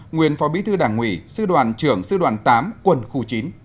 nguyên phó bí thư đảng ủy sư đoàn trưởng sư đoàn tám quân khu chín